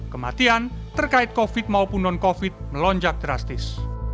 kematian terkait covid maupun non covid melonjak drastis